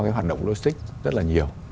hoạt động logistics rất là nhiều